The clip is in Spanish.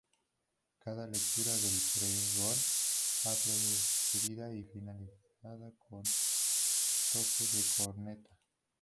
Cada lectura del pregón va precedida y finalizada con toque de corneta.